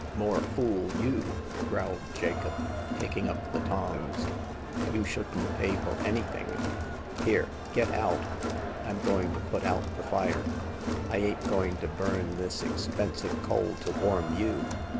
" ''More fool you !" growled Jacobs taking up The Coming of Hagar. 13 the tongs. You shouldn't pay for anything. Here, get out ! Tm going to put out the fire. I ain't going to burn this expensive coal to warm you.